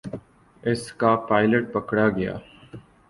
اس کا پائلٹ پکڑا گیا۔